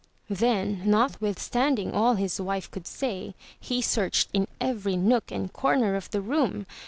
Then, notwithstanding all his wife could say, he searched in every nook and corner of the room.